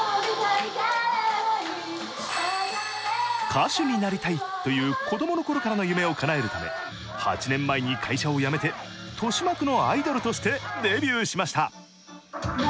歌手になりたいという子供の頃からの夢をかなえるため８年前に会社を辞めて豊島区のアイドルとしてデビューしました。